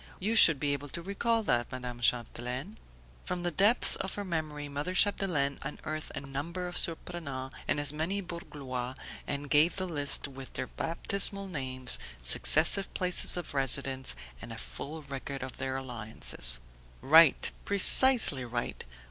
You should be able to recall that, Madame Chapdelaine?" From the depths of her memory mother Chapdelaine unearthed a number of Surprenants and as many Bourglouis, and gave the list with their baptismal names, successive places of residence and a full record of their alliances. "Right. Precisely right.